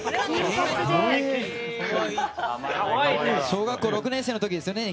小学校６年生の時ですよね